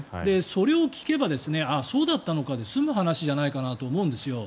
それを聞けばそうだったのかで済む話じゃないかと思うんですよ。